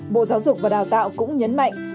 bộ giáo dục và đào tạo cũng nhấn mạnh